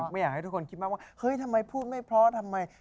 ไม่อยากให้ทุกคนคิดมากว่าเฮ้ยทำไมพูดไม่เพราะทำไม